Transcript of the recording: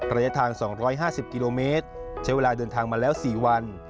ระยะทาง๒๕๐กิโลเมตรใช้เวลาเดินทางมาแล้ว๔วัน